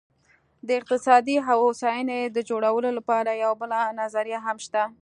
د اقتصادي هوساینې د جوړولو لپاره یوه بله نظریه هم شته.